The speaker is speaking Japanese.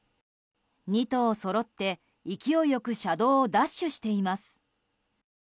２頭そろって、勢いよく車道をダッシュしています。